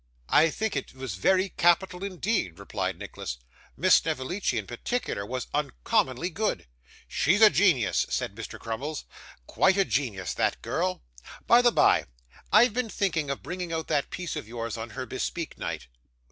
'I think it was very capital indeed,' replied Nicholas; 'Miss Snevellicci in particular was uncommonly good.' 'She's a genius,' said Mr. Crummles; 'quite a genius, that girl. By the bye, I've been thinking of bringing out that piece of yours on her bespeak night.